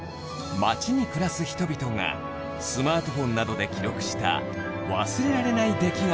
町に暮らす人々がスマートフォンなどで記録した忘れられない出来事